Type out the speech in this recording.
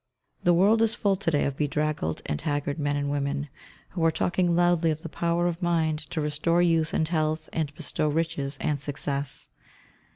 The world is full to day of bedraggled and haggard men and women, who are talking loudly of the power of mind to restore youth and health, and bestow riches and success.